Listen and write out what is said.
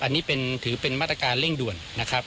อันนี้ถือเป็นมาตรการเร่งด่วนนะครับ